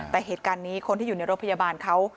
แต่เหตุการณ์นี้คนที่อยู่ในรถพยาบาลเขา